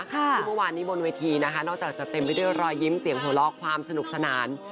ซึ่งเมื่อวานนี้บนเวทีนะคะนอกจากจะเต็มไปด้วยรอยยิ้มเสียงหัวเราะความสนุกสนาน